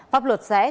pháp luật sẽ